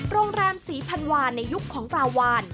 โรงแรมศรีพันวาในยุคของปลาวาน